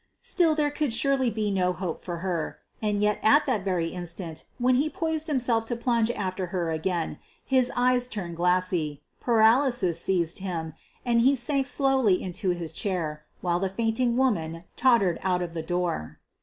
Still, there could surely be no hope for her, and yet at that very instant when he poised himself to plunge after her again, his eyes turned glassy; paralysis seized him, and he sank slowly into his chair while the fainting woman tottered out of the door.